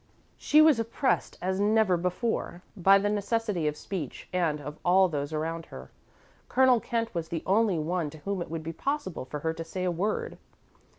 She was oppressed, as never before, by the necessity of speech, and, of all those around her, Colonel Kent was the only one to whom it would be possible for her to say a word.